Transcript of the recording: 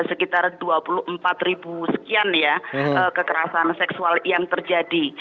sekitar dua puluh empat ribu sekian ya kekerasan seksual yang terjadi